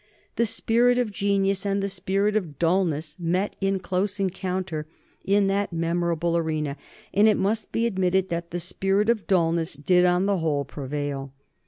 The spirit of genius and the spirit of dulness met in close encounter in that memorable arena, and it must be admitted that the spirit of dulness did on the whole prevail.